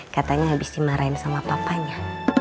katanya habis dimarahin sama papanya